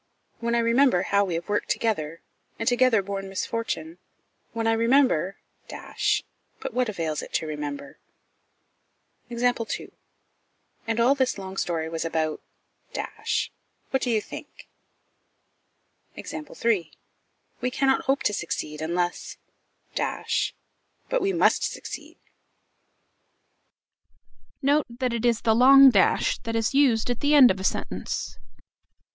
When I remember how we have worked together, and together borne misfortune; when I remember but what avails it to remember? And all this long story was about what do you think? "We cannot hope to succeed, unless " "But we must succeed." Note that it is the long dash that is used at the end of a sentence.